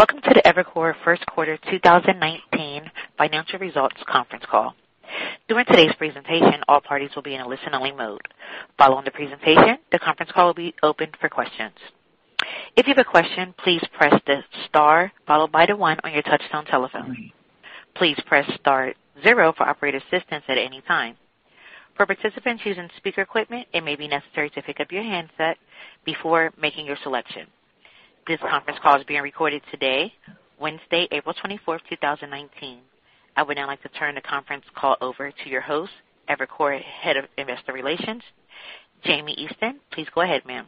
Welcome to the Evercore First Quarter 2019 Financial Results Conference Call. During today's presentation, all parties will be in a listen-only mode. Following the presentation, the conference call will be opened for questions. If you have a question, please press the star followed by the one on your touch-tone telephone. Please press star zero for operator assistance at any time. For participants using speaker equipment, it may be necessary to pick up your handset before making your selection. This conference call is being recorded today, Wednesday, April 24th, 2019. I would now like to turn the conference call over to your host, Evercore Head of Investor Relations, Hallie Elsner. Please go ahead, ma'am.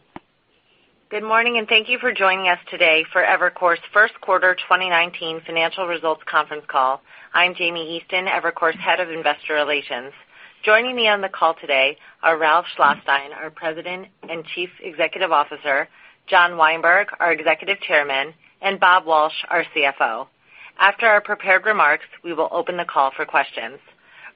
Good morning. Thank you for joining us today for Evercore's First Quarter 2019 Financial Results Conference Call. I'm Hallie Elsner, Evercore's Head of Investor Relations. Joining me on the call today are Ralph Schlosstein, our President and Chief Executive Officer, John Weinberg, our Executive Chairman, and Bob Walsh, our CFO. After our prepared remarks, we will open the call for questions.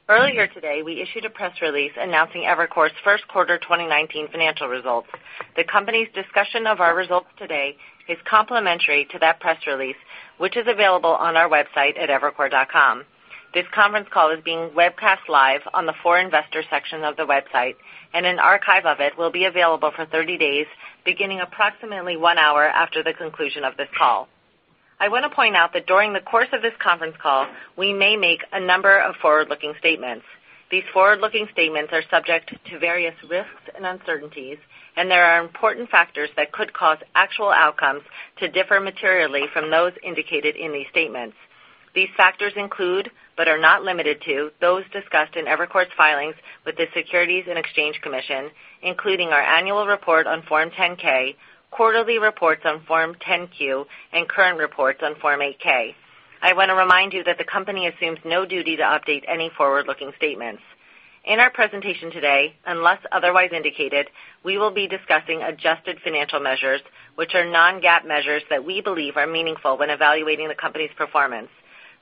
Earlier today, we issued a press release announcing Evercore's first quarter 2019 financial results. The company's discussion of our results today is complementary to that press release, which is available on our website at evercore.com. This conference call is being webcast live on the For Investors section of the website, and an archive of it will be available for 30 days, beginning approximately one hour after the conclusion of this call. I want to point out that during the course of this conference call, we may make a number of forward-looking statements. These forward-looking statements are subject to various risks and uncertainties. There are important factors that could cause actual outcomes to differ materially from those indicated in these statements. These factors include, but are not limited to, those discussed in Evercore's filings with the Securities and Exchange Commission, including our annual report on Form 10-K, quarterly reports on Form 10-Q, and current reports on Form 8-K. I want to remind you that the company assumes no duty to update any forward-looking statements. In our presentation today, unless otherwise indicated, we will be discussing adjusted financial measures, which are non-GAAP measures that we believe are meaningful when evaluating the company's performance.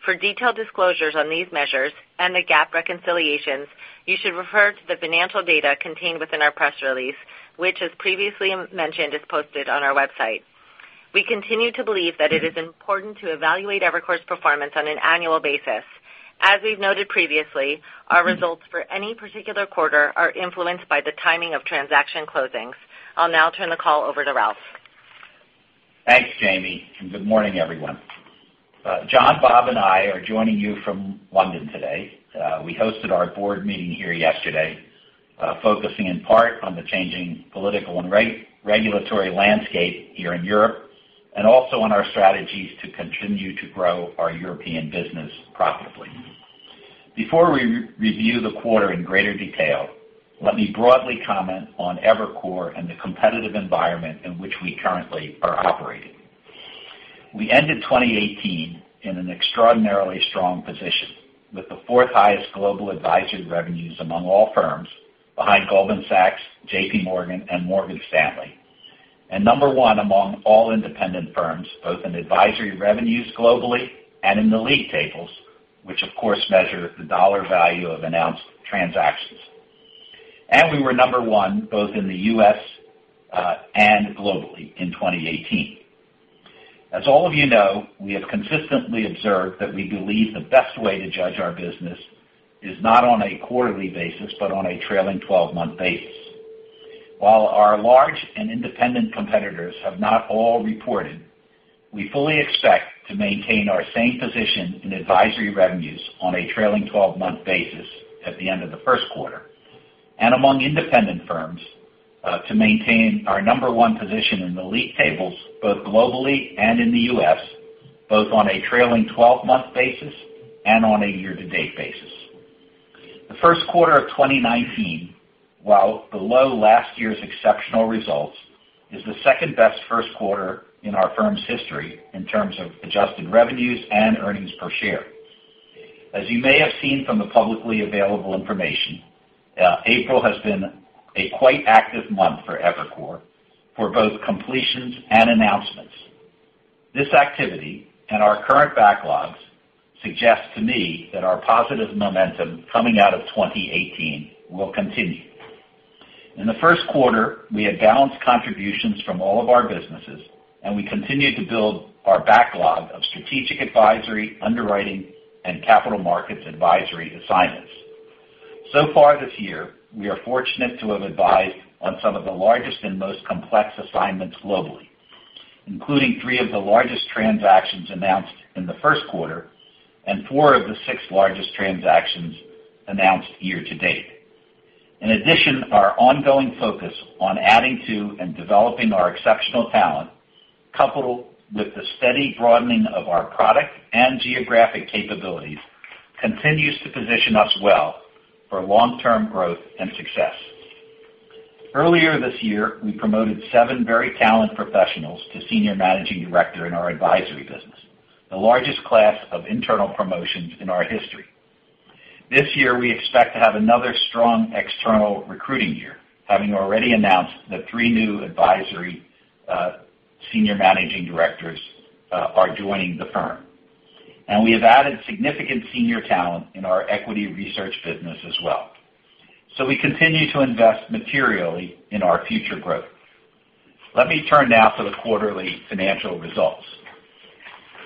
For detailed disclosures on these measures and the GAAP reconciliations, you should refer to the financial data contained within our press release, which, as previously mentioned, is posted on our website. We continue to believe that it is important to evaluate Evercore's performance on an annual basis. As we've noted previously, our results for any particular quarter are influenced by the timing of transaction closings. I'll now turn the call over to Ralph. Thanks, Hallie, and good morning, everyone. John, Bob, and I are joining you from London today. We hosted our board meeting here yesterday focusing in part on the changing political and regulatory landscape here in Europe, and also on our strategies to continue to grow our European business profitably. Before we review the quarter in greater detail, let me broadly comment on Evercore and the competitive environment in which we currently are operating. We ended 2018 in an extraordinarily strong position, with the fourth highest global advisory revenues among all firms behind Goldman Sachs, JP Morgan, and Morgan Stanley. Number one among all independent firms, both in advisory revenues globally and in the league tables, which of course measure the dollar value of announced transactions. We were number one both in the U.S., and globally in 2018. As all of you know, we have consistently observed that we believe the best way to judge our business is not on a quarterly basis, but on a trailing 12-month basis. While our large and independent competitors have not all reported, we fully expect to maintain our same position in advisory revenues on a trailing 12-month basis at the end of the first quarter. Among independent firms, to maintain our number one position in the league tables, both globally and in the U.S., both on a trailing 12-month basis and on a year-to-date basis. The first quarter of 2019, while below last year's exceptional results, is the second-best first quarter in our firm's history in terms of adjusted revenues and earnings per share. As you may have seen from the publicly available information, April has been a quite active month for Evercore for both completions and announcements. This activity and our current backlogs suggest to me that our positive momentum coming out of 2018 will continue. In the first quarter, we had balanced contributions from all of our businesses, and we continued to build our backlog of strategic advisory, underwriting, and capital markets advisory assignments. So far this year, we are fortunate to have advised on some of the largest and most complex assignments globally, including three of the largest transactions announced in the first quarter and four of the six largest transactions announced year to date. In addition, our ongoing focus on adding to and developing our exceptional talent, coupled with the steady broadening of our product and geographic capabilities, continues to position us well for long-term growth and success. Earlier this year, we promoted seven very talented professionals to senior managing director in our advisory business, the largest class of internal promotions in our history. This year, we expect to have another strong external recruiting year, having already announced that three new advisory, senior managing directors are joining the firm. We have added significant senior talent in our equity research business as well. We continue to invest materially in our future growth. Let me turn now to the quarterly financial results.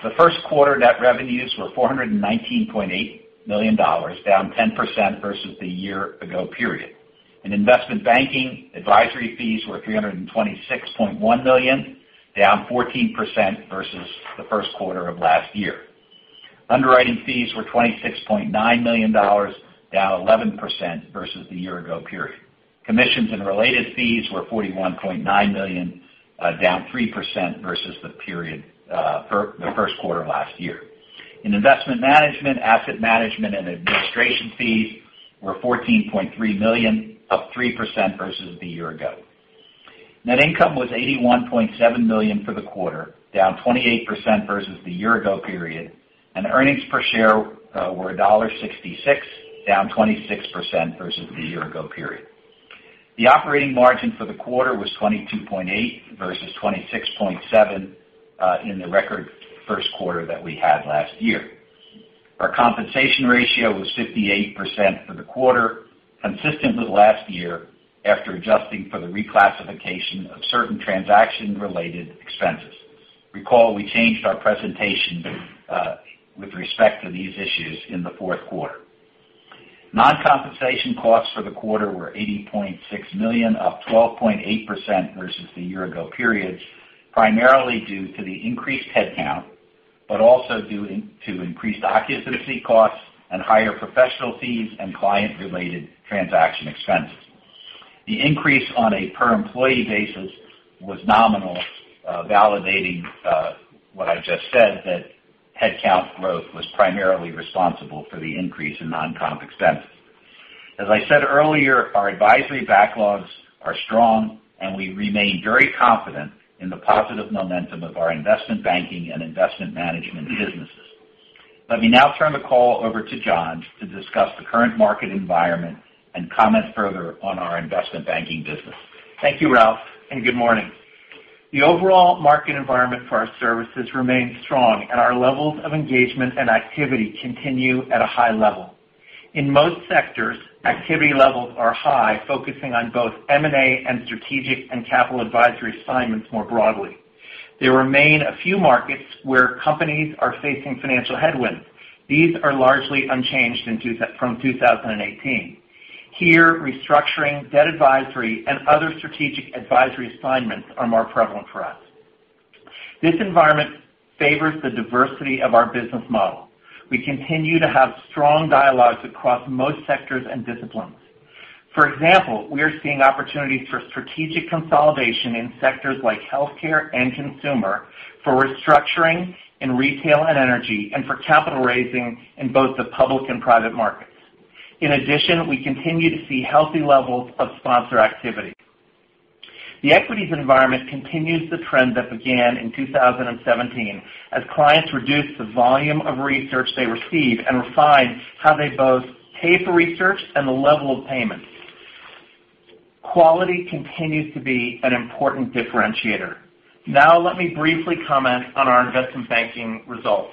The first quarter net revenues were $419.8 million, down 10% versus the year ago period. In investment banking, advisory fees were $326.1 million, down 14% versus the first quarter of last year. Underwriting fees were $26.9 million, down 11% versus the year ago period. Commissions and related fees were $41.9 million, down 3% versus the first quarter of last year. In investment management, asset management, and administration fees were $14.3 million, up 3% versus the year ago. Net income was $81.7 million for the quarter, down 28% versus the year-ago period. Earnings per share were $1.66, down 26% versus the year-ago period. The operating margin for the quarter was 22.8% versus 26.7% in the record first quarter that we had last year. Our compensation ratio was 58% for the quarter, consistent with last year, after adjusting for the reclassification of certain transaction-related expenses. Recall, we changed our presentation with respect to these issues in the fourth quarter. Non-compensation costs for the quarter were $80.6 million, up 12.8% versus the year-ago period, primarily due to the increased headcount, also due to increased occupancy costs and higher professional fees and client-related transaction expenses. The increase on a per-employee basis was nominal, validating what I just said, that headcount growth was primarily responsible for the increase in non-comp expenses. As I said earlier, our advisory backlogs are strong. We remain very confident in the positive momentum of our investment banking and investment management businesses. Let me now turn the call over to John to discuss the current market environment and comment further on our investment banking business. Thank you, Ralph. Good morning. The overall market environment for our services remains strong. Our levels of engagement and activity continue at a high level. In most sectors, activity levels are high, focusing on both M&A and strategic and capital advisory assignments more broadly. There remain a few markets where companies are facing financial headwinds. These are largely unchanged from 2018. Here, restructuring, debt advisory, and other strategic advisory assignments are more prevalent for us. This environment favors the diversity of our business model. We continue to have strong dialogues across most sectors and disciplines. For example, we are seeing opportunities for strategic consolidation in sectors like healthcare and consumer, for restructuring in retail and energy, for capital raising in both the public and private markets. In addition, we continue to see healthy levels of sponsor activity. The equities environment continues the trend that began in 2017 as clients reduce the volume of research they receive and refine how they both pay for research and the level of payments. Quality continues to be an important differentiator. Now let me briefly comment on our investment banking results.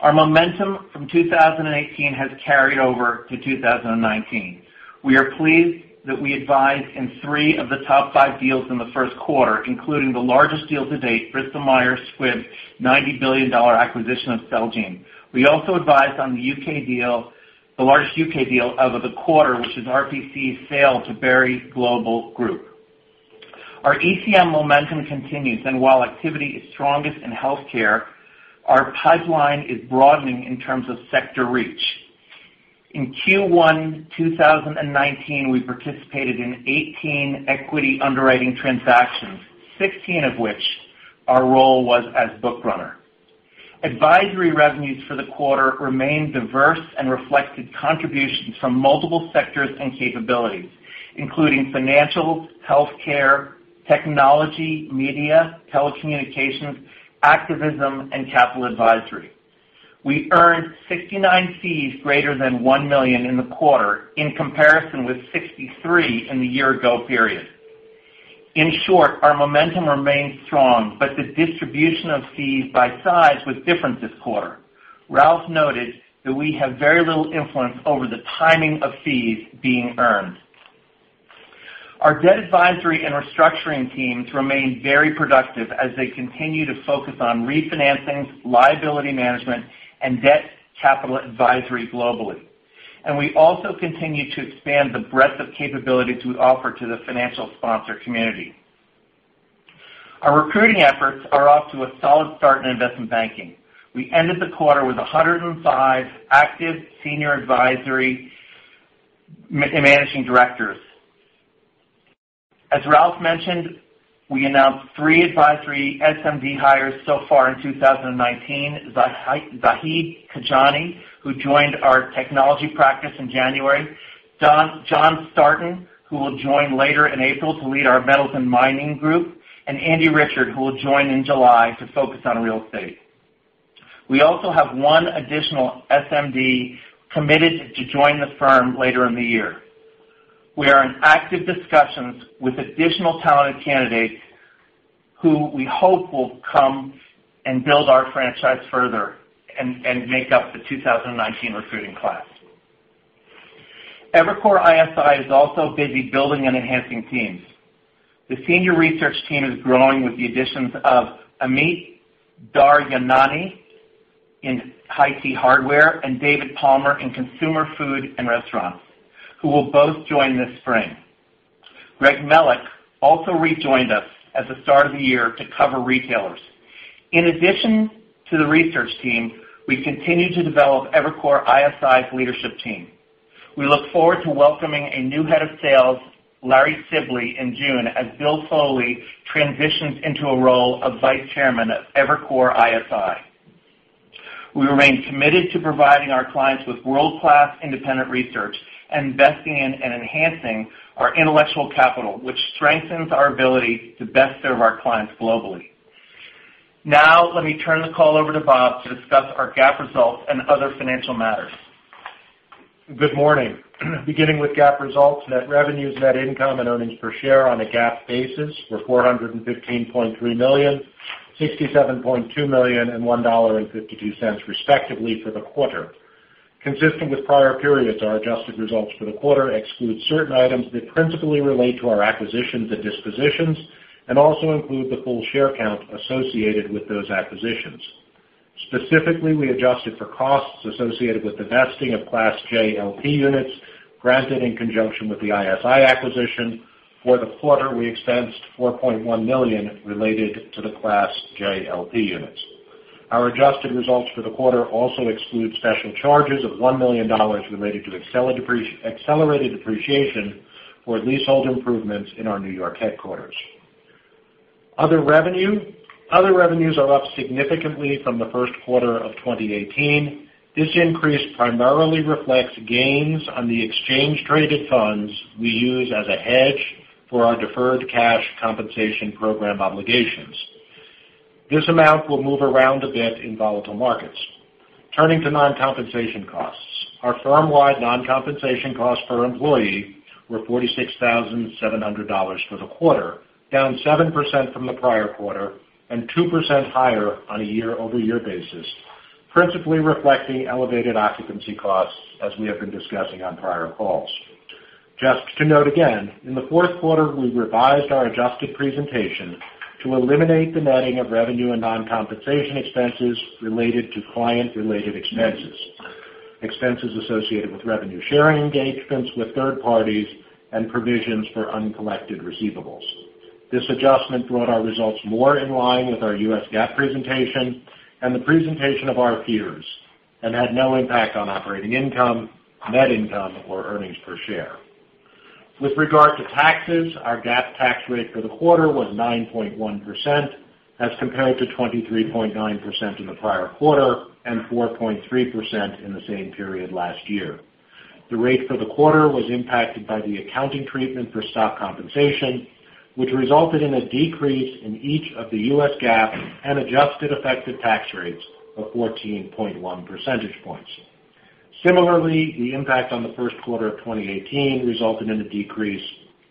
Our momentum from 2018 has carried over to 2019. We are pleased that we advised in three of the top five deals in the first quarter, including the largest deal to date, Bristol-Myers Squibb's $90 billion acquisition of Celgene. We also advised on the largest U.K. deal out of the quarter, which is RPC's sale to Berry Global Group. Our ECM momentum continues. While activity is strongest in healthcare, our pipeline is broadening in terms of sector reach. In Q1 2019, we participated in 18 equity underwriting transactions, 16 of which our role was as bookrunner. Advisory revenues for the quarter remained diverse and reflected contributions from multiple sectors and capabilities, including financial, healthcare, technology, media, telecommunications, activism, and capital advisory. We earned 69 fees greater than $1 million in the quarter in comparison with 63 in the year-ago period. In short, our momentum remains strong, but the distribution of fees by size was different this quarter. Ralph noted that we have very little influence over the timing of fees being earned. Our debt advisory and restructuring teams remain very productive as they continue to focus on refinancings, liability management, and debt capital advisory globally. We also continue to expand the breadth of capabilities we offer to the financial sponsor community. Our recruiting efforts are off to a solid start in investment banking. We ended the quarter with 105 active senior advisory managing directors. As Ralph mentioned, we announced three advisory SMD hires so far in 2019. Zaheed Kajani, who joined our technology practice in January, John Startin, who will join later in April to lead our metals and mining group, and Andy Richard, who will join in July to focus on real estate. We also have one additional SMD committed to join the firm later in the year. We are in active discussions with additional talented candidates who we hope will come and build our franchise further and make up the 2019 recruiting class. Evercore ISI is also busy building and enhancing teams. The senior research team is growing with the additions of Amit Daryanani in high-tech hardware and David Palmer in consumer food and restaurants, who will both join this spring. Greg Melich also rejoined us at the start of the year to cover retailers. In addition to the research team, we continue to develop Evercore ISI's leadership team. We look forward to welcoming a new head of sales, Larry Sibley, in June, as Bill Foley transitions into a role of Vice Chairman of Evercore ISI. We remain committed to providing our clients with world-class independent research and investing in and enhancing our intellectual capital, which strengthens our ability to best serve our clients globally. Let me turn the call over to Bob to discuss our GAAP results and other financial matters. Good morning. Beginning with GAAP results, net revenues, net income, and earnings per share on a GAAP basis were $415.3 million, $67.2 million, and $1.52 respectively for the quarter. Consistent with prior periods, our adjusted results for the quarter exclude certain items that principally relate to our acquisitions and dispositions and also include the full share count associated with those acquisitions. Specifically, we adjusted for costs associated with the vesting of Class J LP units granted in conjunction with the ISI acquisition. For the quarter, we expensed $4.1 million related to the Class J LP units. Our adjusted results for the quarter also exclude special charges of $1 million related to accelerated depreciation for leasehold improvements in our New York headquarters. Other revenues are up significantly from the first quarter of 2018. This increase primarily reflects gains on the exchange-traded funds we use as a hedge for our deferred cash compensation program obligations. This amount will move around a bit in volatile markets. Turning to non-compensation costs. Our firm-wide non-compensation costs per employee were $46,700 for the quarter, down 7% from the prior quarter and 2% higher on a year-over-year basis, principally reflecting elevated occupancy costs as we have been discussing on prior calls. Just to note again, in the fourth quarter, we revised our adjusted presentation to eliminate the netting of revenue and non-compensation expenses related to client-related expenses associated with revenue-sharing engagements with third parties, and provisions for uncollected receivables. This adjustment brought our results more in line with our U.S. GAAP presentation and the presentation of our peers and had no impact on operating income, net income, or earnings per share. With regard to taxes, our GAAP tax rate for the quarter was 9.1%, as compared to 23.9% in the prior quarter and 4.3% in the same period last year. The rate for the quarter was impacted by the accounting treatment for stock compensation, which resulted in a decrease in each of the U.S. GAAP and adjusted effective tax rates of 14.1 percentage points. Similarly, the impact on the first quarter of 2018 resulted in a decrease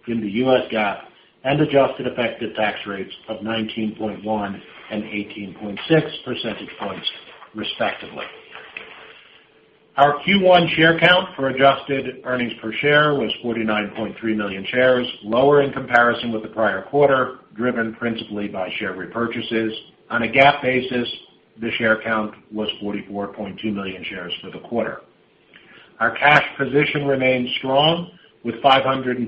in the U.S. GAAP and adjusted effective tax rates of 19.1 and 18.6 percentage points, respectively. Our Q1 share count for adjusted earnings per share was 49.3 million shares, lower in comparison with the prior quarter, driven principally by share repurchases. On a GAAP basis, the share count was 44.2 million shares for the quarter. Our cash position remains strong, with $552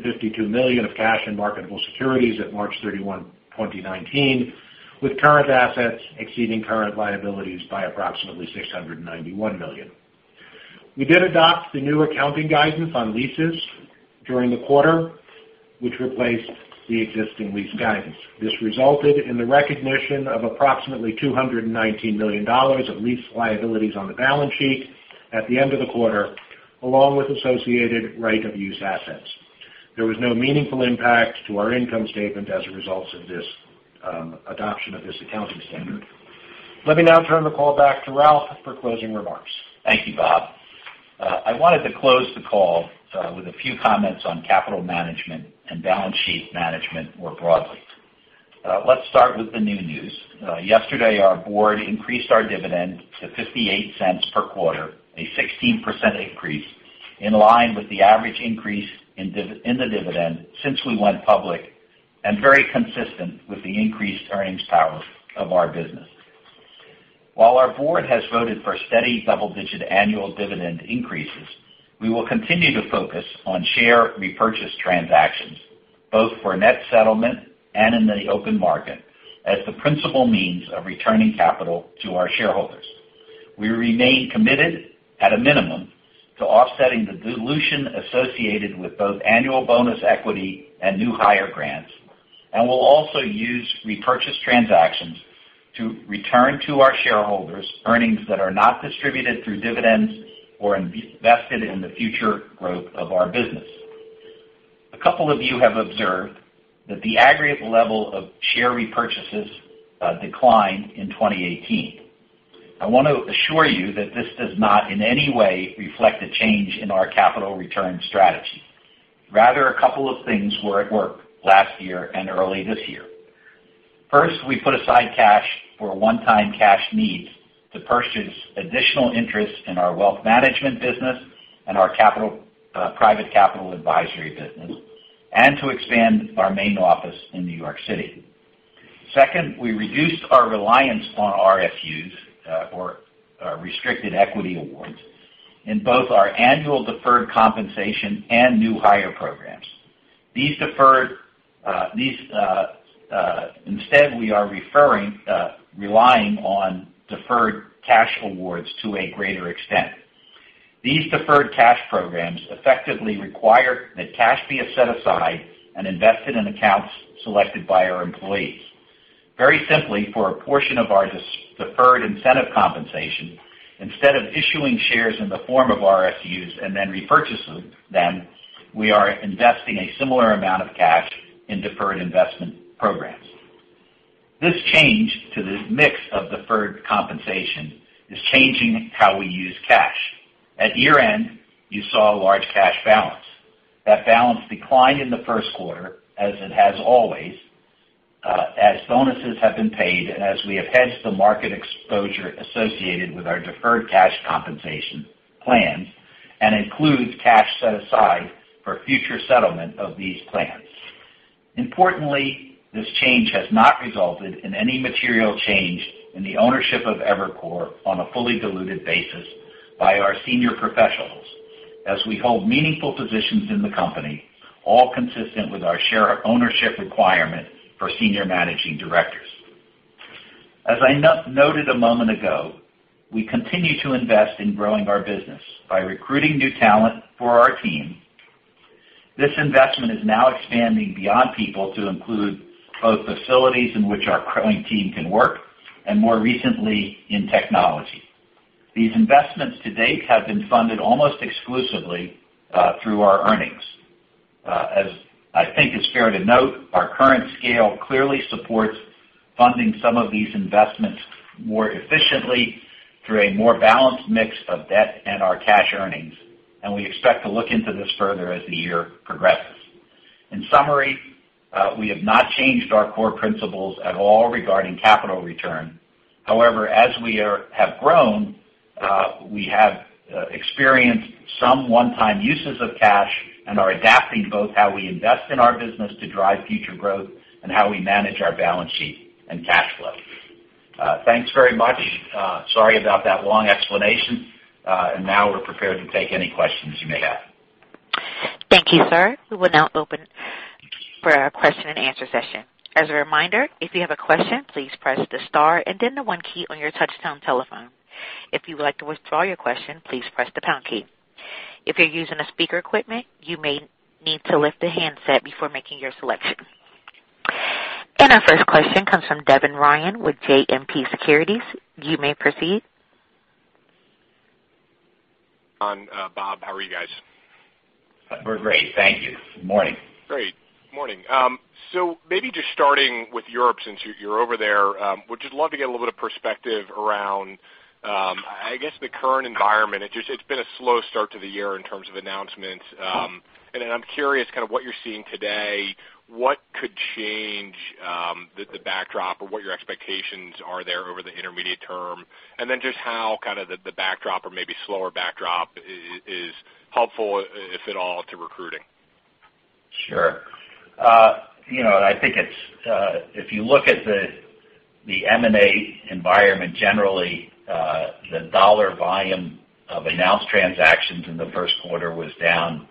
million of cash and marketable securities at March 31, 2019, with current assets exceeding current liabilities by approximately $691 million. We did adopt the new accounting guidance on leases during the quarter, which replaced the existing lease guidance. This resulted in the recognition of approximately $219 million of lease liabilities on the balance sheet at the end of the quarter, along with associated right-of-use assets. There was no meaningful impact to our income statement as a result of this adoption of this accounting standard. Let me now turn the call back to Ralph for closing remarks. Thank you, Bob. I wanted to close the call with a few comments on capital management and balance sheet management more broadly. Let's start with the new news. Yesterday, our board increased our dividend to $0.58 per quarter, a 16% increase, in line with the average increase in the dividend since we went public and very consistent with the increased earnings power of our business. While our board has voted for steady double-digit annual dividend increases, we will continue to focus on share repurchase transactions, both for net settlement and in the open market as the principal means of returning capital to our shareholders. We remain committed at a minimum to offsetting the dilution associated with both annual bonus equity and new hire grants, and we'll also use repurchase transactions to return to our shareholders earnings that are not distributed through dividends or invested in the future growth of our business. A couple of you have observed that the aggregate level of share repurchases declined in 2018. I want to assure you that this does not in any way reflect a change in our capital return strategy. Rather, a couple of things were at work last year and early this year. First, we put aside cash for a one-time cash need to purchase additional interest in our wealth management business and our private capital advisory business, and to expand our main office in New York City. Second, we reduced our reliance on RSUs or restricted equity awards in both our annual deferred compensation and new hire programs. Instead, we are relying on deferred cash awards to a greater extent. These deferred cash programs effectively require that cash be set aside and invested in accounts selected by our employees. Very simply, for a portion of our deferred incentive compensation, instead of issuing shares in the form of RSUs and then repurchasing them, we are investing a similar amount of cash in deferred investment programs. This change to this mix of deferred compensation is changing how we use cash. At year-end, you saw a large cash balance. That balance declined in the first quarter, as it has always, as bonuses have been paid and as we have hedged the market exposure associated with our deferred cash compensation plans and includes cash set aside for future settlement of these plans. Importantly, this change has not resulted in any material change in the ownership of Evercore on a fully diluted basis by our senior professionals, as we hold meaningful positions in the company, all consistent with our share ownership requirement for senior managing directors. As I noted a moment ago, we continue to invest in growing our business by recruiting new talent for our team. This investment is now expanding beyond people to include both facilities in which our growing team can work, and more recently, in technology. These investments to date have been funded almost exclusively through our earnings. As I think is fair to note, our current scale clearly supports funding some of these investments more efficiently through a more balanced mix of debt and our cash earnings, and we expect to look into this further as the year progresses. In summary, we have not changed our core principles at all regarding capital return. However, as we have grown, we have experienced some one-time uses of cash and are adapting both how we invest in our business to drive future growth and how we manage our balance sheet and cash flow. Thanks very much. Sorry about that long explanation. Now we're prepared to take any questions you may have. Thank you, sir. We will now open for our question and answer session. As a reminder, if you have a question, please press the star and then the 1 key on your touch-tone telephone. If you would like to withdraw your question, please press the pound key. If you're using speaker equipment, you may need to lift the handset before making your selection. Our first question comes from Devin Ryan with JMP Securities. You may proceed. Bob. How are you guys? We're great, thank you. Good morning. Great. Morning. Maybe just starting with Europe, since you're over there, would just love to get a little bit of perspective around the current environment. It's been a slow start to the year in terms of announcements. I'm curious kind of what you're seeing today, what could change the backdrop or what your expectations are there over the intermediate term, just how the backdrop or maybe slower backdrop is helpful, if at all, to recruiting. Sure. I think if you look at the M&A environment, generally, the dollar volume of announced transactions in the first quarter was down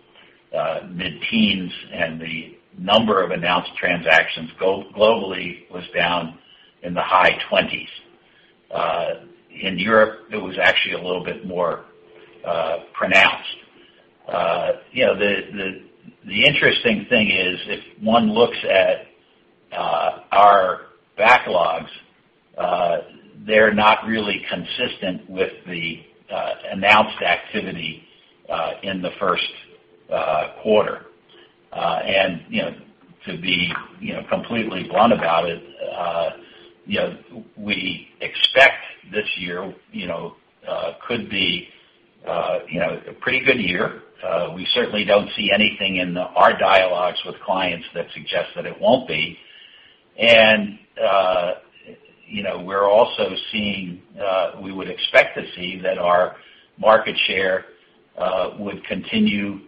mid-teens, and the number of announced transactions globally was down in the high 20s. In Europe, it was actually a little bit more pronounced. The interesting thing is, if one looks at our backlogs, they're not really consistent with the announced activity in the first quarter. To be completely blunt about it, we expect this year could be a pretty good year. We certainly don't see anything in our dialogues with clients that suggests that it won't be. We would expect to see that our market share would continue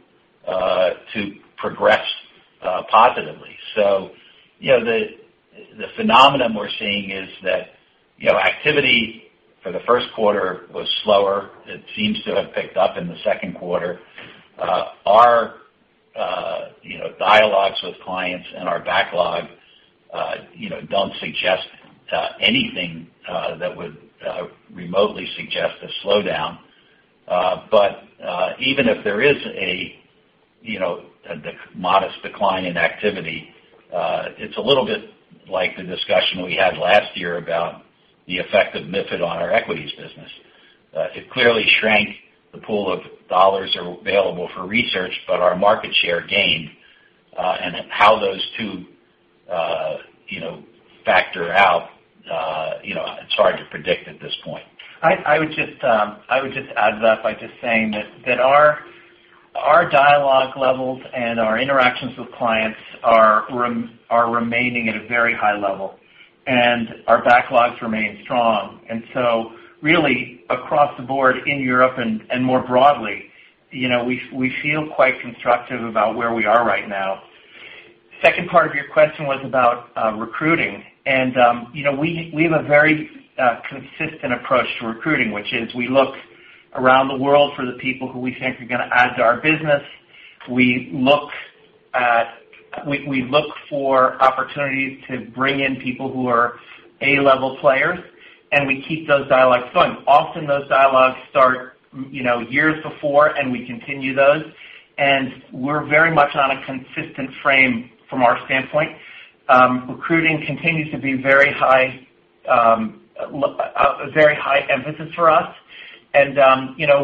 to progress positively. The phenomenon we're seeing is that activity for the first quarter was slower. It seems to have picked up in the second quarter. Our dialogues with clients and our backlog don't suggest anything that would remotely suggest a slowdown. Even if there is a modest decline in activity, it's a little bit like the discussion we had last year about the effect of MiFID on our equities business. It clearly shrank the pool of dollars available for research, but our market share gained. How those two factor out, it's hard to predict at this point. I would just add to that by just saying that our dialogue levels and our interactions with clients are remaining at a very high level, and our backlogs remain strong. Really, across the board in Europe and more broadly, we feel quite constructive about where we are right now. Second part of your question was about recruiting, and we have a very consistent approach to recruiting, which is we look around the world for the people who we think are going to add to our business. We look for opportunities to bring in people who are A-level players, and we keep those dialogues going. Often, those dialogues start years before, and we continue those, and we're very much on a consistent frame from our standpoint. Recruiting continues to be a very high emphasis for us.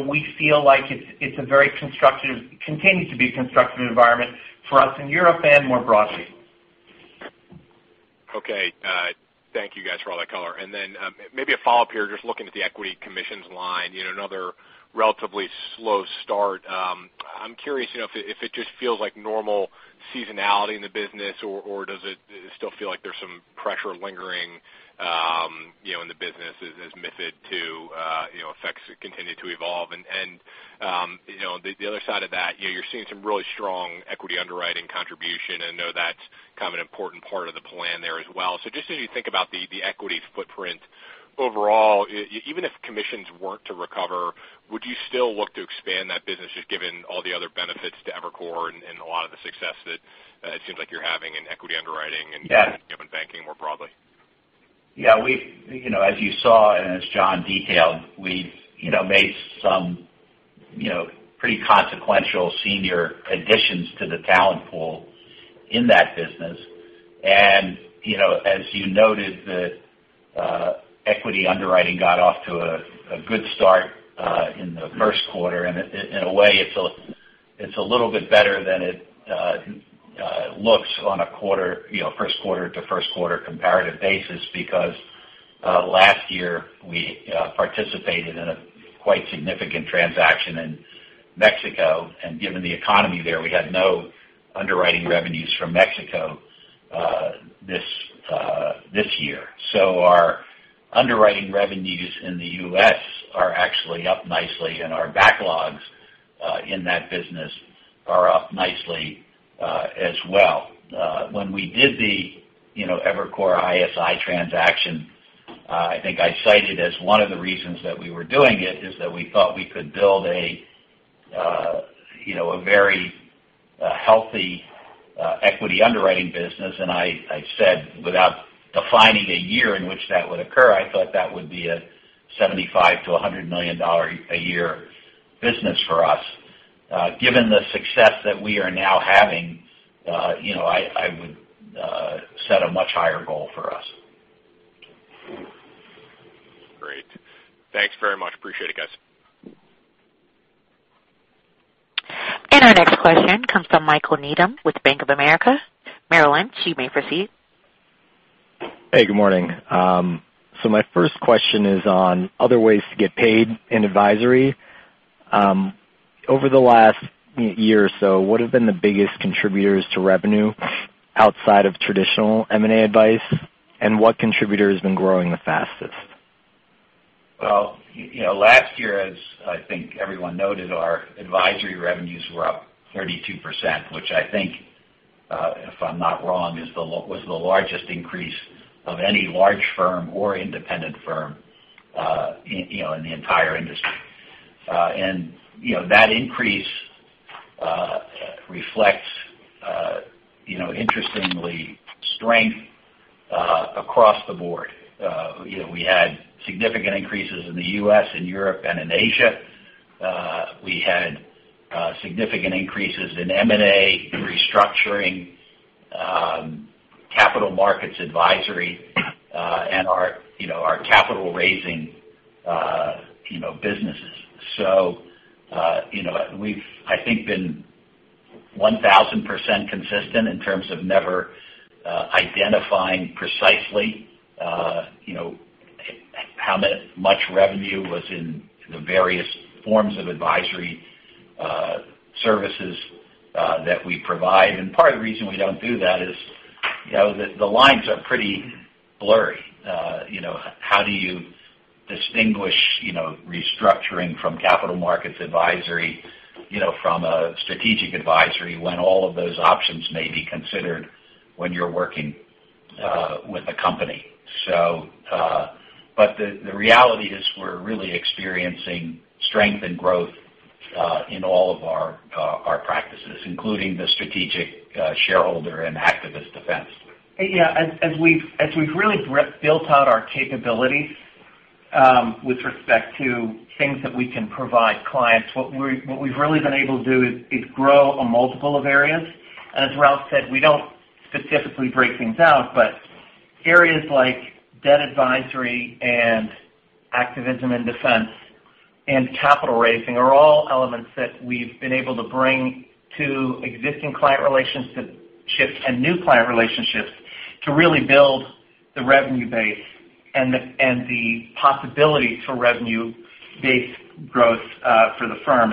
We feel like it continues to be a constructive environment for us in Europe and more broadly. Okay. Thank you guys for all that color. Maybe a follow-up here, just looking at the equity commissions line, another relatively slow start. I'm curious if it just feels like normal seasonality in the business, or does it still feel like there's some pressure lingering in the business as MiFID II effects continue to evolve? The other side of that, you're seeing some really strong equity underwriting contribution. I know that's an important part of the plan there as well. Just as you think about the equities footprint overall, even if commissions were to recover, would you still look to expand that business, just given all the other benefits to Evercore and a lot of the success that it seems like you're having in equity underwriting. Yeah given banking more broadly? Yeah. As you saw and as John detailed, we've made some pretty consequential senior additions to the talent pool in that business. As you noted, the equity underwriting got off to a good start in the first quarter, and in a way, it's a little bit better than it looks on a first quarter to first quarter comparative basis because last year we participated in a quite significant transaction in Mexico. Given the economy there, we had no underwriting revenues from Mexico this year. Our underwriting revenues in the U.S. are actually up nicely, and our backlogs in that business are up nicely as well. When we did the Evercore ISI transaction, I think I cited as one of the reasons that we were doing it is that we thought we could build a very healthy equity underwriting business. I said, without defining a year in which that would occur, I thought that would be a $75 million-$100 million a year business for us. Given the success that we are now having, I would set a much higher goal for us. Great. Thanks very much. Appreciate it, guys. Our next question comes from Michael Needham with Bank of America. (Marilyn), you may proceed. Hey, good morning. My first question is on other ways to get paid in advisory. Over the last year or so, what have been the biggest contributors to revenue outside of traditional M&A advice, and what contributor has been growing the fastest? Last year, as I think everyone noted, our advisory revenues were up 32%, which I think, if I'm not wrong, was the largest increase of any large firm or independent firm in the entire industry. That increase reflects, interestingly, strength across the board. We had significant increases in the U.S. and Europe and in Asia. We had significant increases in M&A restructuring, capital markets advisory, and our capital raising businesses. We've, I think, been 1,000% consistent in terms of never identifying precisely how much revenue was in the various forms of advisory services that we provide. Part of the reason we don't do that is the lines are pretty blurry. How do you distinguish restructuring from capital markets advisory from a strategic advisory when all of those options may be considered when you're working with a company? The reality is we're really experiencing strength and growth in all of our practices, including the strategic shareholder and activist defense. As we've really built out our capabilities with respect to things that we can provide clients, what we've really been able to do is grow a multiple of areas. As Ralph said, we don't specifically break things out. Areas like debt advisory and activism and defense and capital raising are all elements that we've been able to bring to existing client relationships and new client relationships to really build the revenue base and the possibility for revenue-based growth for the firm.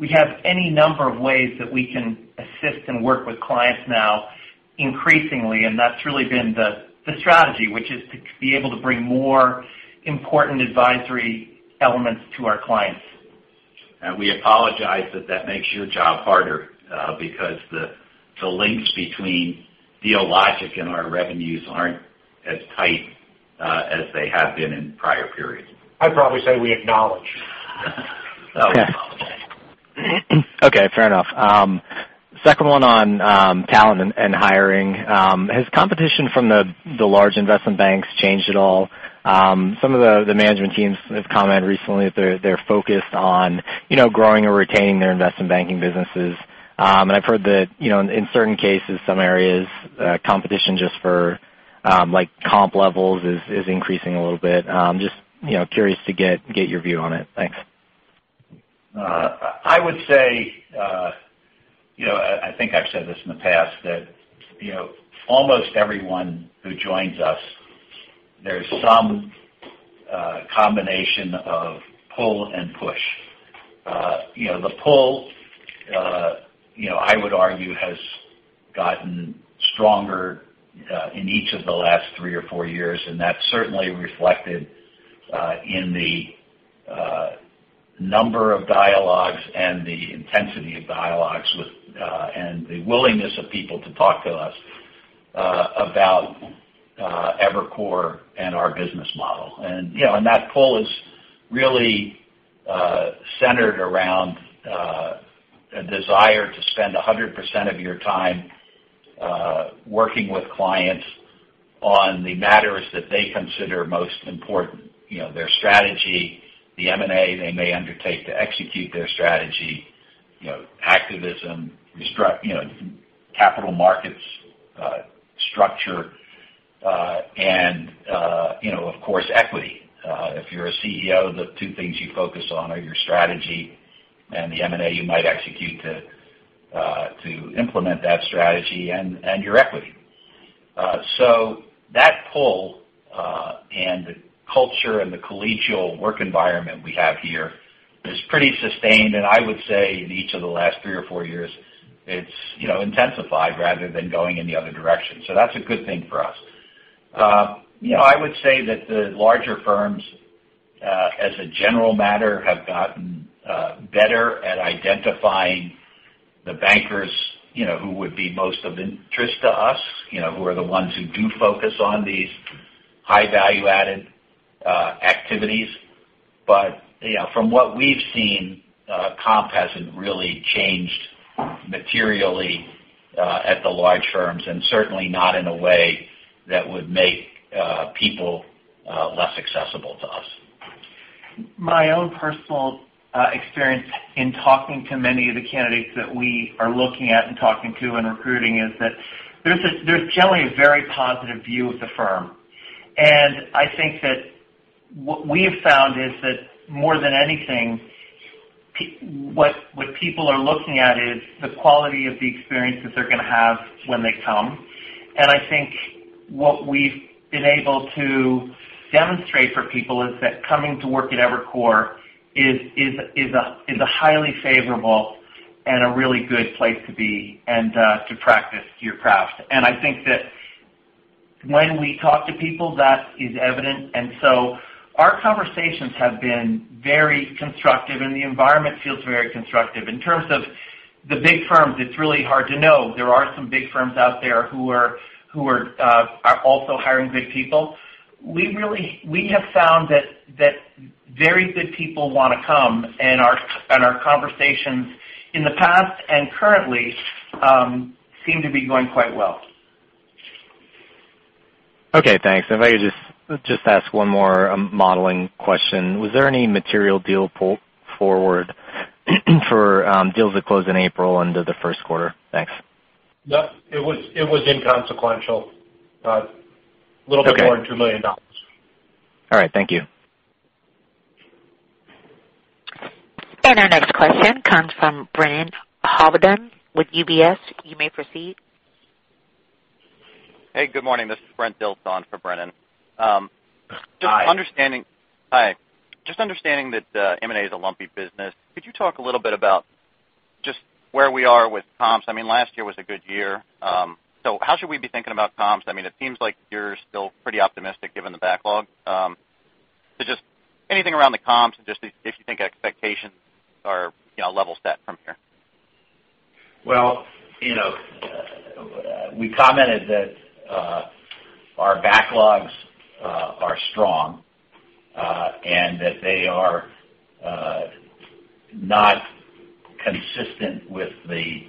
We have any number of ways that we can assist and work with clients now increasingly, and that's really been the strategy, which is to be able to bring more important advisory elements to our clients. We apologize that that makes your job harder, because the links between Dealogic and our revenues aren't as tight as they have been in prior periods. I'd probably say we acknowledge. Okay, fair enough. Second one on talent and hiring. Has competition from the large investment banks changed at all? Some of the management teams have commented recently that they're focused on growing or retaining their investment banking businesses. I've heard that in certain cases, some areas, competition just for comp levels is increasing a little bit. Just curious to get your view on it. Thanks. I would say, I think I've said this in the past, that almost everyone who joins us, there's some combination of pull and push. The pull, I would argue, has gotten stronger in each of the last three or four years, and that's certainly reflected in the number of dialogues and the intensity of dialogues and the willingness of people to talk to us about Evercore and our business model. That pull is really centered around a desire to spend 100% of your time working with clients on the matters that they consider most important, their strategy, the M&A they may undertake to execute their strategy, activism, capital markets structure, and of course, equity. If you're a CEO, the two things you focus on are your strategy and the M&A you might execute to implement that strategy and your equity. That pull and the culture and the collegial work environment we have here is pretty sustained, and I would say in each of the last three or four years, it's intensified rather than going in the other direction. That's a good thing for us. I would say that the larger firms, as a general matter, have gotten better at identifying the bankers who would be most of interest to us, who are the ones who do focus on these high value-added activities. From what we've seen, comp hasn't really changed materially at the large firms, and certainly not in a way that would make people less accessible to us. My own personal experience in talking to many of the candidates that we are looking at and talking to and recruiting is that there's generally a very positive view of the firm. I think that what we have found is that more than anything, what people are looking at is the quality of the experience that they're going to have when they come. I think what we've been able to demonstrate for people is that coming to work at Evercore is a highly favorable and a really good place to be and to practice your craft. I think that when we talk to people, that is evident. Our conversations have been very constructive, and the environment feels very constructive. In terms of the big firms, it's really hard to know. There are some big firms out there who are also hiring good people. We have found that very good people want to come, and our conversations in the past and currently seem to be going quite well. Okay, thanks. If I could just ask one more modeling question. Was there any material deal pull forward for deals that closed in April under the first quarter? Thanks. No, it was inconsequential. Okay. A little bit more than $2 million. All right, thank you. Our next question comes from Brennan Hawken with UBS. You may proceed. Hey, good morning. This is Brent Dilts on for Brennan. Hi. Hi. Just understanding that M&A is a lumpy business, could you talk a little bit about just where we are with comps? Last year was a good year. How should we be thinking about comps? It seems like you're still pretty optimistic given the backlog. Just anything around the comps, just if you think expectations are level set from here. Well, we commented that our backlogs are strong and that they are not consistent with the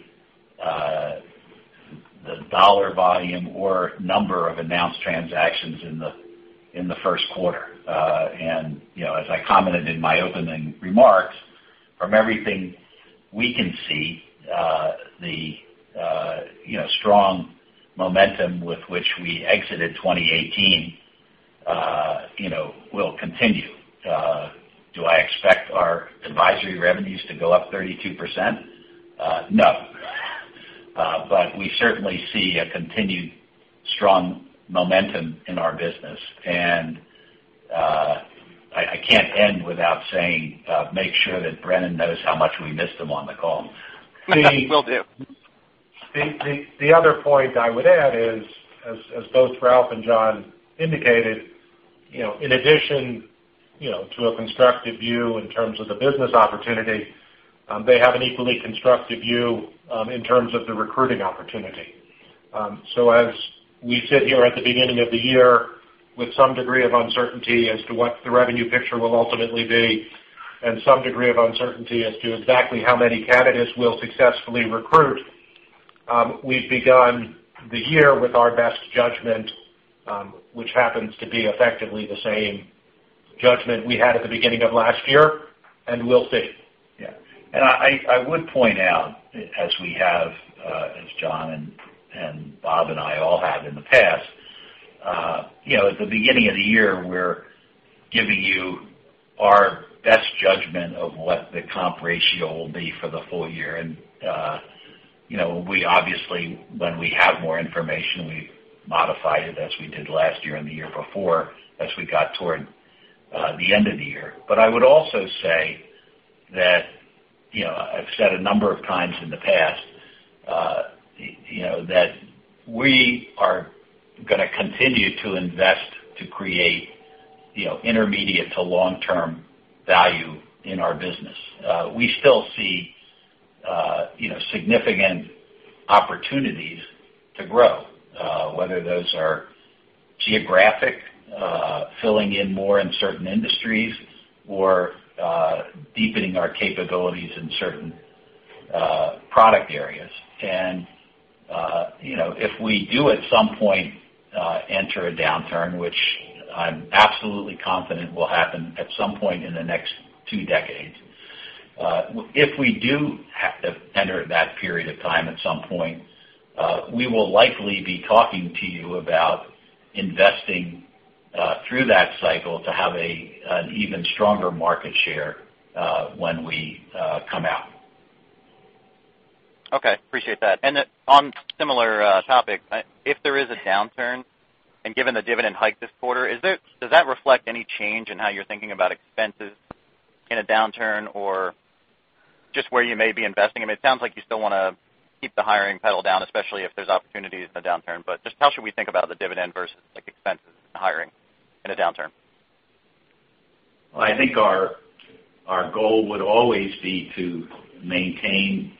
dollar volume or number of announced transactions in the first quarter. As I commented in my opening remarks, from everything we can see, the strong momentum with which we exited 2018 will continue. Do I expect our advisory revenues to go up 32%? No. We certainly see a continued strong momentum in our business. I can't end without saying, make sure that Brennan knows how much we missed him on the call. Will do. The other point I would add is, as both Ralph and John indicated, in addition to a constructive view in terms of the business opportunity, they have an equally constructive view in terms of the recruiting opportunity. As we sit here at the beginning of the year with some degree of uncertainty as to what the revenue picture will ultimately be, and some degree of uncertainty as to exactly how many candidates we'll successfully recruit, we've begun the year with our best judgment, which happens to be effectively the same judgment we had at the beginning of last year, and we'll see. Yeah. I would point out as we have, as John and Bob and I all have in the past, at the beginning of the year, we're giving you our best judgment of what the comp ratio will be for the full year. We obviously, when we have more information, we modify it as we did last year and the year before, as we got toward the end of the year. I would also say that, I've said a number of times in the past, that we are going to continue to invest to create intermediate to long-term value in our business. We still see significant opportunities to grow, whether those are geographic, filling in more in certain industries or deepening our capabilities in certain product areas. If we do at some point enter a downturn, which I'm absolutely confident will happen at some point in the next two decades. If we do have to enter that period of time at some point, we will likely be talking to you about investing through that cycle to have an even stronger market share when we come out. Okay. Appreciate that. On similar topic, if there is a downturn and given the dividend hike this quarter, does that reflect any change in how you're thinking about expenses in a downturn or just where you may be investing? I mean, it sounds like you still want to keep the hiring pedal down, especially if there's opportunities in a downturn. Just how should we think about the dividend versus expenses and hiring in a downturn? I think our goal would always be to maintain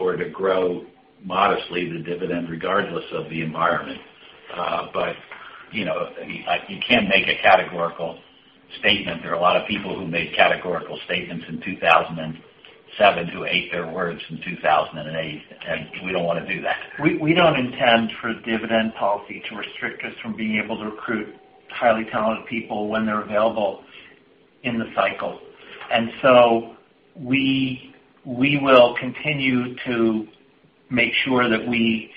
or to grow modestly the dividend regardless of the environment. You can't make a categorical statement. There are a lot of people who made categorical statements in 2007 who ate their words in 2008. We don't want to do that. We don't intend for dividend policy to restrict us from being able to recruit highly talented people when they're available in the cycle. So we will continue to make sure that we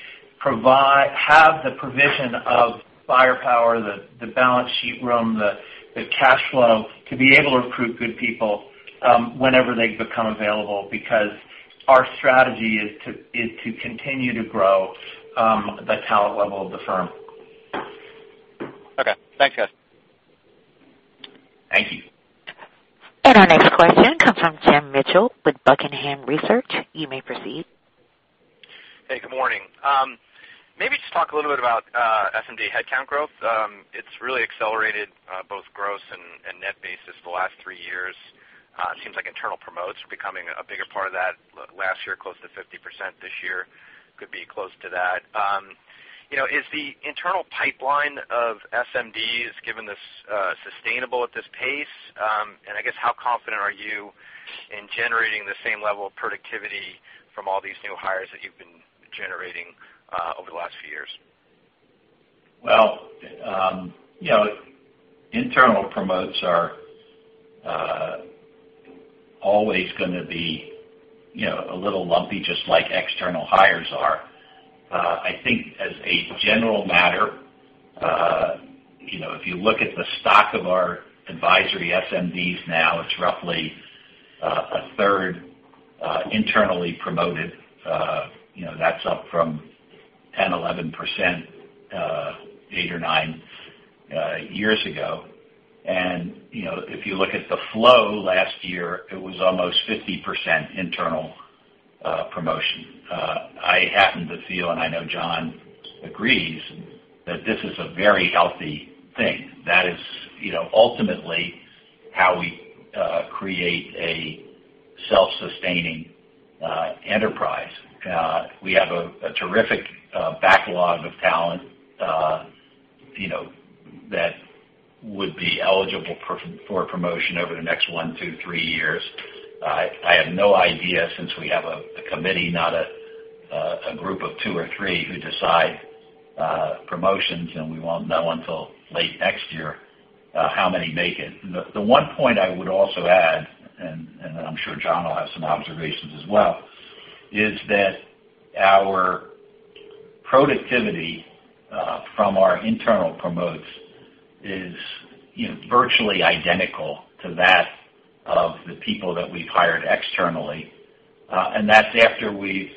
have the provision of firepower, the balance sheet room, the cash flow to be able to recruit good people whenever they become available, because our strategy is to continue to grow the talent level of the firm. Okay, thanks, guys. Thank you. Our next question comes from Jim Mitchell with Buckingham Research. You may proceed. Hey, good morning. Maybe just talk a little bit about SMD headcount growth. It's really accelerated both gross and net basis the last three years. It seems like internal promotes are becoming a bigger part of that. Last year, close to 50%, this year could be close to that. Is the internal pipeline of SMDs, given this, sustainable at this pace? I guess how confident are you in generating the same level of productivity from all these new hires that you've been generating over the last few years? Well, internal promotes are always going to be a little lumpy, just like external hires are. I think as a general matter, if you look at the stock of our advisory SMDs now, it's roughly a third internally promoted. That's up from 10, 11% eight or nine years ago. If you look at the flow last year, it was almost 50% internal promotion. I happen to feel, and I know John agrees, that this is a very healthy thing. That is ultimately how we create a self-sustaining enterprise. We have a terrific backlog of talent that would be eligible for promotion over the next one, two, three years. I have no idea since we have a committee, not a group of two or three who decide promotions, and we won't know until late next year how many make it. The one point I would also add, and I'm sure John'll have some observations as well, is that our productivity from our internal promotes is virtually identical to that of the people that we've hired externally. That's after we've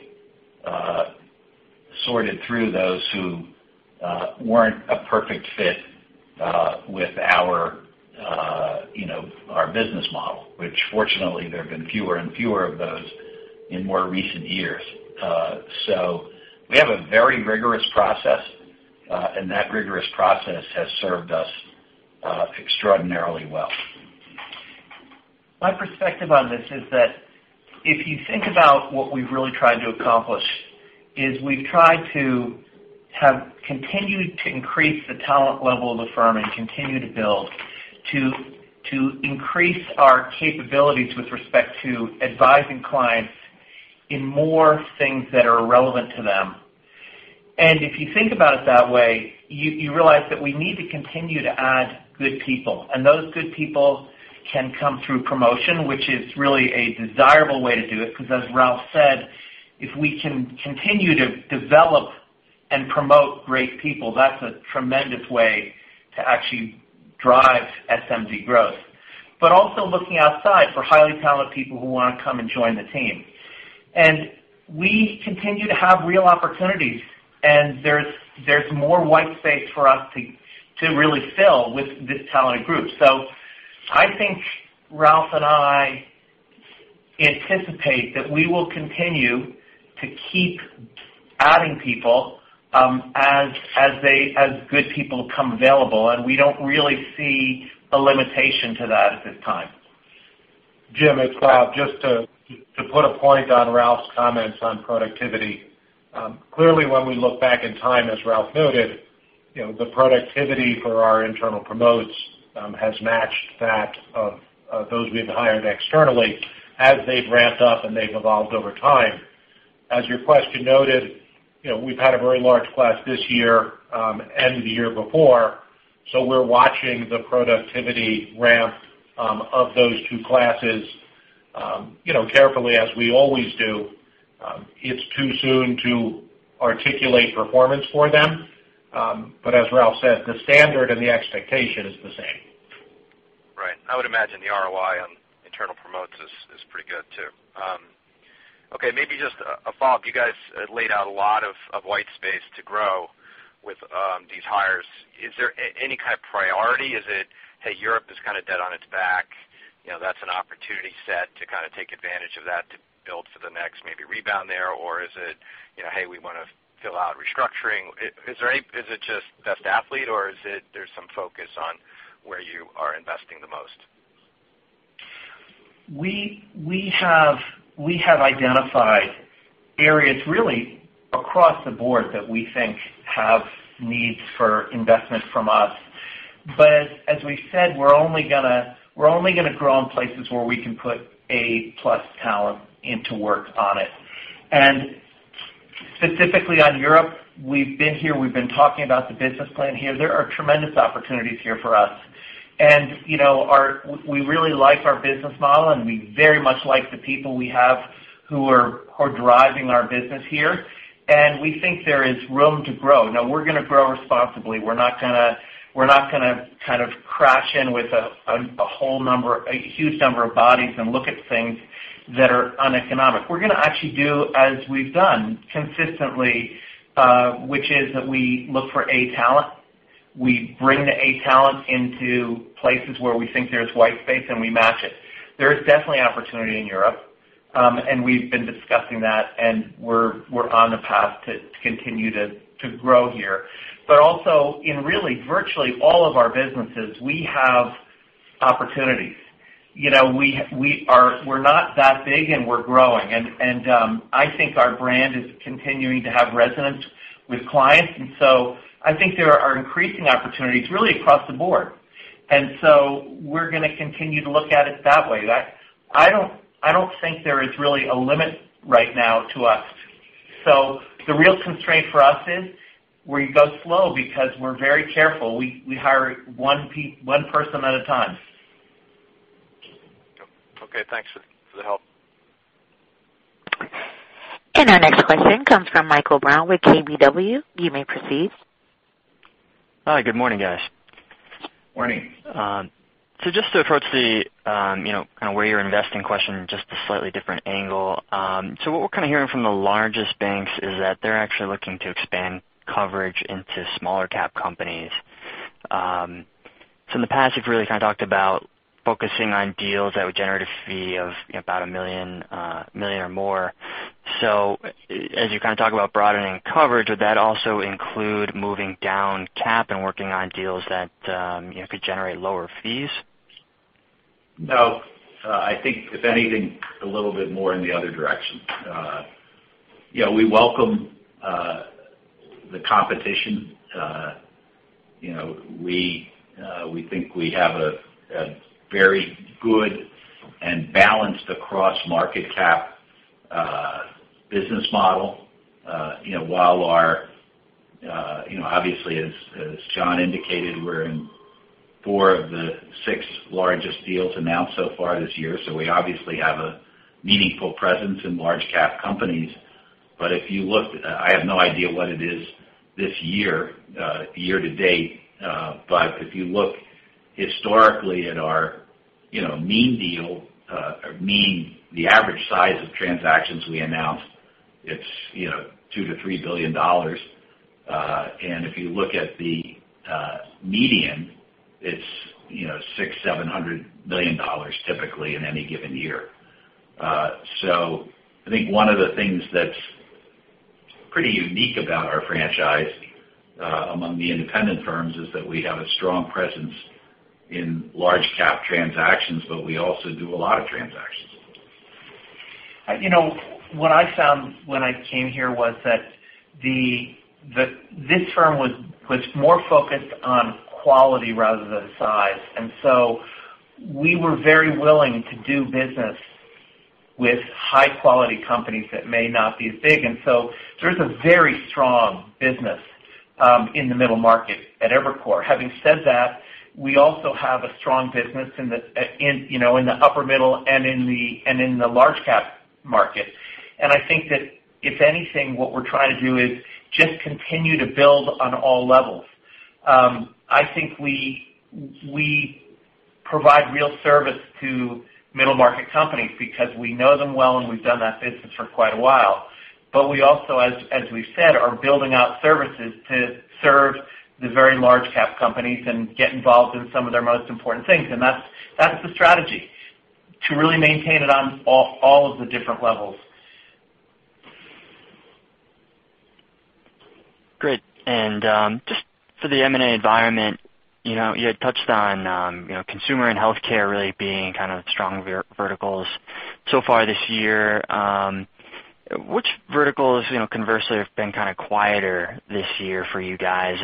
sorted through those who weren't a perfect fit with our business model, which fortunately there have been fewer and fewer of those in more recent years. We have a very rigorous process, and that rigorous process has served us extraordinarily well. My perspective on this is that if you think about what we've really tried to accomplish, is we've tried to have continued to increase the talent level of the firm and continue to build to increase our capabilities with respect to advising clients in more things that are relevant to them. If you think about it that way, you realize that we need to continue to add good people, and those good people can come through promotion, which is really a desirable way to do it, because as Ralph said, if we can continue to develop and promote great people, that's a tremendous way to actually drive SMD growth. Also looking outside for highly talented people who want to come and join the team. We continue to have real opportunities, and there's more white space for us to really fill with this talented group. I think Ralph and I anticipate that we will continue to keep adding people as good people become available, and we don't really see a limitation to that at this time. Jim, it's Bob. Just to put a point on Ralph's comments on productivity. Clearly, when we look back in time, as Ralph noted, the productivity for our internal promotes has matched that of those we've hired externally as they've ramped up and they've evolved over time. As your question noted, we've had a very large class this year and the year before, so we're watching the productivity ramp of those two classes carefully as we always do. It's too soon to articulate performance for them. As Ralph said, the standard and the expectation is the same. Right. I would imagine the ROI on internal promotes is pretty good too. Okay, maybe just a follow-up. You guys laid out a lot of white space to grow with these hires. Is there any kind of priority? Is it, "Hey, Europe is kind of dead on its back." That's an opportunity set to take advantage of that to build for the next maybe rebound there? Is it, "Hey, we want to fill out restructuring." Is it just best athlete or is it there's some focus on where you are investing the most? We have identified areas really across the board that we think have needs for investment from us. As we've said, we're only going to grow in places where we can put A-plus talent in to work on it. Specifically on Europe, we've been here, we've been talking about the business plan here. There are tremendous opportunities here for us. We really like our business model, and we very much like the people we have who are driving our business here. We think there is room to grow. Now we're going to grow responsibly. We're not going to crash in with a huge number of bodies and look at things that are uneconomic. We're going to actually do as we've done consistently, which is that we look for A talent. We bring the A talent into places where we think there's white space, and we match it. There is definitely opportunity in Europe. We've been discussing that, and we're on the path to continue to grow here. Also in really virtually all of our businesses, we have opportunities. We're not that big and we're growing. I think our brand is continuing to have resonance with clients. I think there are increasing opportunities really across the board. We're going to continue to look at it that way. I don't think there is really a limit right now to us. The real constraint for us is we go slow because we're very careful. We hire one person at a time. Okay. Thanks for the help. Our next question comes from Michael Brown with KBW. You may proceed. Hi. Good morning, guys. Morning. Just to approach the where you're investing question, just a slightly different angle. What we're kind of hearing from the largest banks is that they're actually looking to expand coverage into smaller cap companies. In the past, you've really kind of talked about focusing on deals that would generate a fee of about $1 million or more. As you kind of talk about broadening coverage, would that also include moving down cap and working on deals that could generate lower fees? No. I think if anything, a little bit more in the other direction. We welcome The competition. We think we have a very good and balanced across market cap business model. Obviously, as John indicated, we're in four of the six largest deals announced so far this year, we obviously have a meaningful presence in large cap companies. I have no idea what it is this year-to-date, but if you look historically at our mean deal, or mean the average size of transactions we announced, it's $2 billion-$3 billion. If you look at the median, it's $600 million-$700 million typically in any given year. I think one of the things that's pretty unique about our franchise among the independent firms is that we have a strong presence in large cap transactions, but we also do a lot of transactions. What I found when I came here was that this firm was more focused on quality rather than size. We were very willing to do business with high-quality companies that may not be as big. There's a very strong business in the middle market at Evercore. Having said that, we also have a strong business in the upper middle and in the large cap market. I think that if anything, what we're trying to do is just continue to build on all levels. I think we provide real service to middle-market companies because we know them well, and we've done that business for quite a while. But we also, as we've said, are building out services to serve the very large cap companies and get involved in some of their most important things. That's the strategy to really maintain it on all of the different levels. Great. Just for the M&A environment, you had touched on consumer and healthcare really being kind of strong verticals so far this year. Which verticals conversely have been kind of quieter this year for you guys?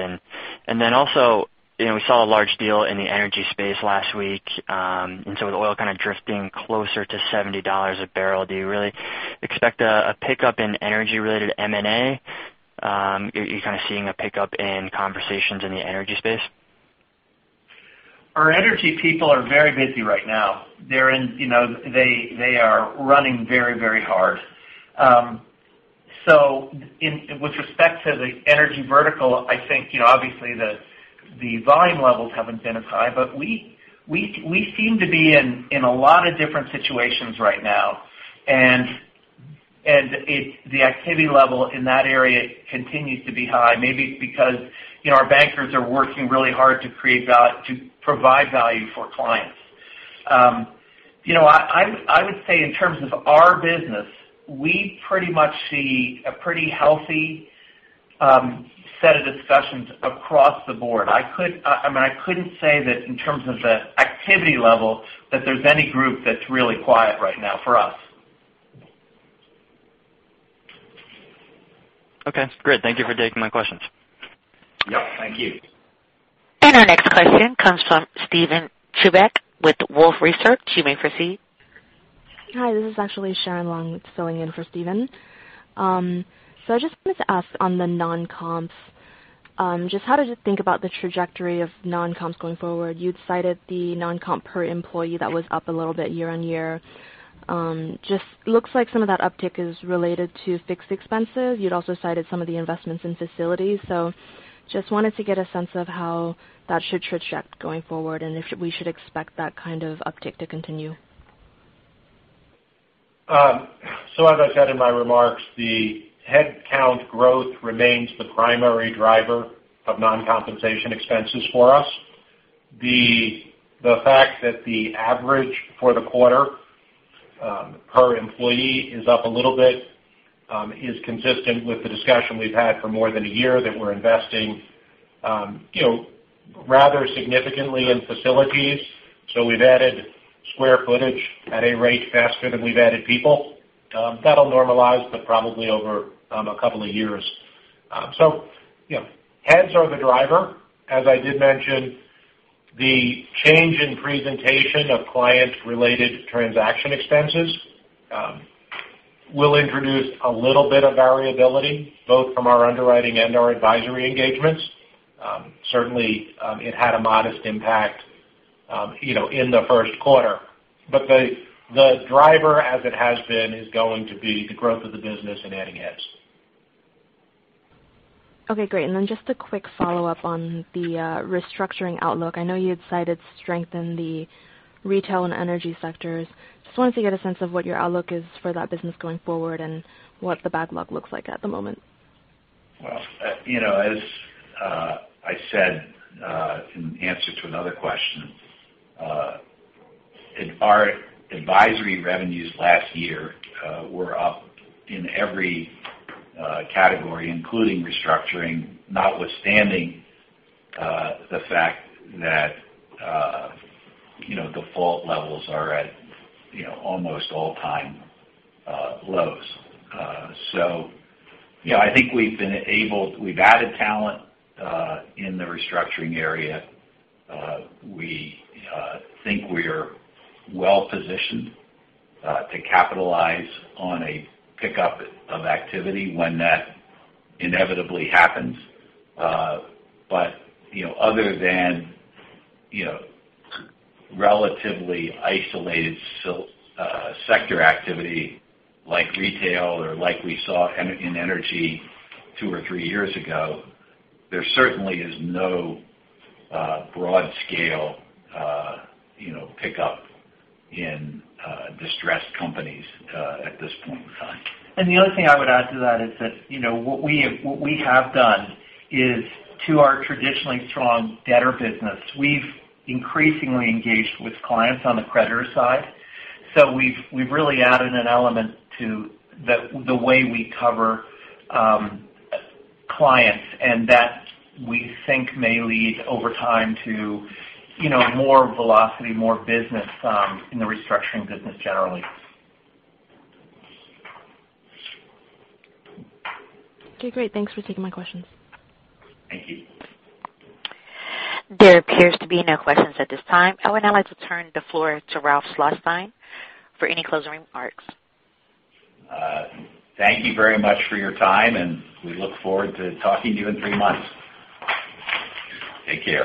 Also, we saw a large deal in the energy space last week. With oil kind of drifting closer to $70 a barrel, do you really expect a pickup in energy-related M&A? Are you kind of seeing a pickup in conversations in the energy space? Our energy people are very busy right now. They are running very, very hard. With respect to the energy vertical, I think obviously the volume levels haven't been as high, but we seem to be in a lot of different situations right now, and the activity level in that area continues to be high. Maybe it's because our bankers are working really hard to provide value for clients. I would say in terms of our business, we pretty much see a pretty healthy set of discussions across the board. I couldn't say that in terms of the activity level, that there's any group that's really quiet right now for us. Okay, great. Thank you for taking my questions. Yep. Thank you. Our next question comes from Steven Chuback with Wolfe Research. You may proceed. Hi, this is actually Sharonjit Clare filling in for Steven. I just wanted to ask on the non-comps, just how did you think about the trajectory of non-comps going forward? You'd cited the non-comp per employee that was up a little bit year-on-year. Just looks like some of that uptick is related to fixed expenses. You'd also cited some of the investments in facilities. Just wanted to get a sense of how that should traject going forward, and if we should expect that kind of uptick to continue. As I said in my remarks, the headcount growth remains the primary driver of non-compensation expenses for us. The fact that the average for the quarter per employee is up a little bit, is consistent with the discussion we've had for more than a year that we're investing rather significantly in facilities. We've added square footage at a rate faster than we've added people. That'll normalize, but probably over a couple of years. Heads are the driver. As I did mention, the change in presentation of client-related transaction expenses will introduce a little bit of variability, both from our underwriting and our advisory engagements. Certainly, it had a modest impact in the first quarter. The driver, as it has been, is going to be the growth of the business and adding heads. Okay, great. Just a quick follow-up on the restructuring outlook. I know you had cited strength in the retail and energy sectors. Just wanted to get a sense of what your outlook is for that business going forward and what the backlog looks like at the moment. Well as I said in answer to another question, our advisory revenues last year were up in every category, including restructuring, notwithstanding the fact that default levels are at almost all-time lows. I think we've added talent in the restructuring area. We think we're well-positioned to capitalize on a pickup of activity when that inevitably happens. Other than relatively isolated sector activity like retail or like we saw in energy two or three years ago, there certainly is no broad-scale pickup in distressed companies at this point in time. The other thing I would add to that is that what we have done is to our traditionally strong debtor business. We've increasingly engaged with clients on the creditor side. We've really added an element to the way we cover clients, and that we think may lead over time to more velocity, more business in the restructuring business generally. Okay, great. Thanks for taking my questions. Thank you. There appears to be no questions at this time. I would now like to turn the floor to Ralph Schlosstein for any closing remarks. Thank you very much for your time, and we look forward to talking to you in three months. Take care.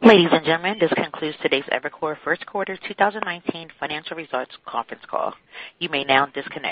Ladies and gentlemen, this concludes today's Evercore first quarter 2019 financial results conference call. You may now disconnect.